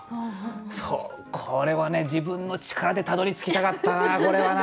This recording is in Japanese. これはね自分の力でたどりつきたかったなこれはな。